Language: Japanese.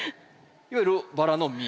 いわゆるバラの実。